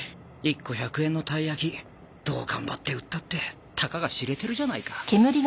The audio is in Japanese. １個１００円のたいやきどう頑張って売ったってたかが知れてるじゃないか